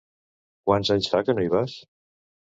Quants anys fa que no hi vas?